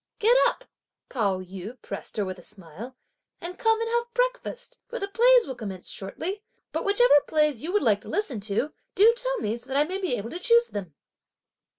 "Get up," Pao yü pressed her with a smile, "and come and have breakfast, for the plays will commence shortly; but whichever plays you would like to listen to, do tell me so that I may be able to choose them."